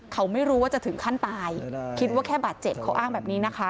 เขาไม่รู้ว่าจะถึงขั้นตายคิดว่าแค่บาดเจ็บเขาอ้างแบบนี้นะคะ